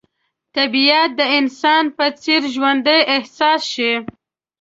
طبیعت د انسان په څېر ژوندی احساس شي.